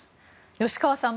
吉川さん